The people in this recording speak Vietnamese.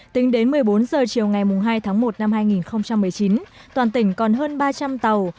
tính đến một mươi bốn h chiều ngày hai tháng một năm hai nghìn một mươi chín toàn tỉnh còn hơn ba trăm linh tàu